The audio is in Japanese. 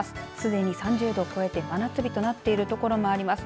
常に３０度を超えて真夏日となっている所もあります。